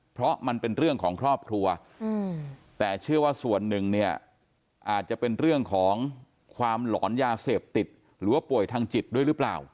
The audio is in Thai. เพราะมันเป็นเรื่องของครอบครัวแต่เชื่อว่าส่วนหนึ่งเนี่ยอาจจะเป็นเรื่องของความหลอนยาเสพติดหรือว่าป่วยทางจิตด้วยหรือเปล่า